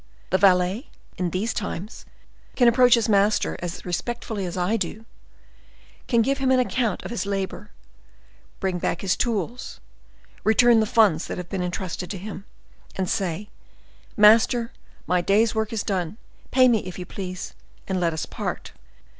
The valet, in these times, can approach his master as respectfully as I do, can give him an account of his labor, bring back his tools, return the funds that have been intrusted to him, and say 'Master, my day's work is done. Pay me, if you please, and let us part.